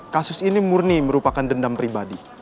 kasus ini murni merupakan dendam pribadi